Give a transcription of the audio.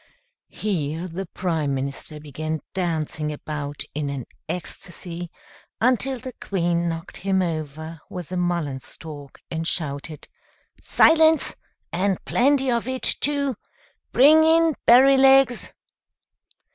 Here the Prime Minister began dancing about in an ecstasy, until the Queen knocked him over with the mullen stalk, and shouted, "Silence! and plenty of it, too. Bring in Berrylegs."